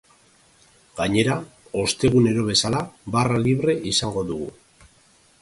Gainera, ostegunero bezala, barra libre izango dugu.